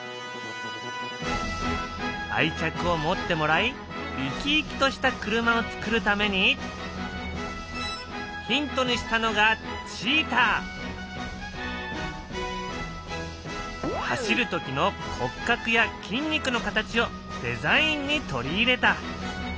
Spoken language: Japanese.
愛着を持ってもらい生き生きとした車をつくるためにヒントにしたのが走る時の骨格や筋肉の形をデザインに取り入れた。